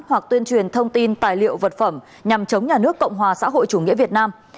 hoặc tuyên truyền thông tin tài liệu vật phẩm nhằm chống nhà nước cộng hòa xã hội chủ nghĩa việt nam